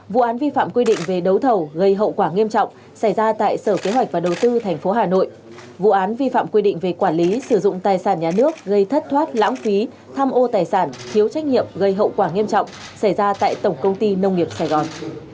vụ án vi phạm quy định về đấu thầu gây hậu quả nghiêm trọng xảy ra tại sở kế hoạch và đầu tư tp hà nội vụ án vi phạm quy định về quản lý sử dụng tài sản nhà nước gây thất thoát lãng phí tham ô tài sản thiếu trách nhiệm gây hậu quả nghiêm trọng xảy ra tại tổng công ty nông nghiệp sài gòn